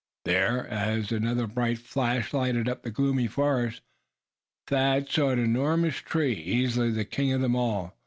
There, as another bright flash lighted up the gloomy forest, Thad saw an enormous tree, easily the king of them all.